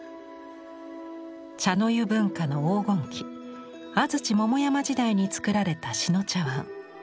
茶の湯文化の黄金期安土桃山時代に作られた志野茶碗。